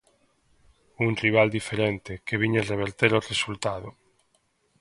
Un rival diferente, que viña reverter o resultado.